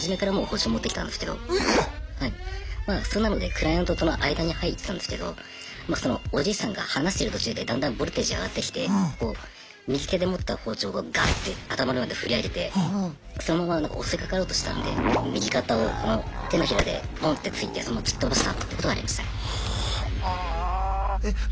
まあそんなのでクライアントとの間に入ってたんですけどそのおじいさんが話してる途中でだんだんボルテージ上がってきて右手で持った包丁をガッて頭の上まで振り上げてそのまま襲いかかろうとしたんで右肩をこの手のひらでボンって突いて突き飛ばしたことはありましたね。